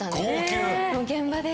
現場で。